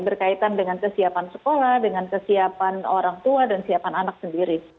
berkaitan dengan kesiapan sekolah dengan kesiapan orang tua dan kesiapan anak sendiri